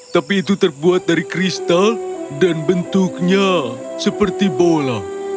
tapi itu terbuat dari kristal dan bentuknya seperti bola